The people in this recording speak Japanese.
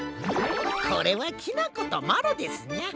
これはきなことまろですニャ。